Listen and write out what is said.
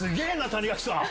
谷垣さん。